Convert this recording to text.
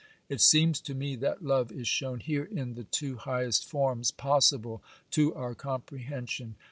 It seems to me that love is shown here in the two highest forms possible to our comprehension.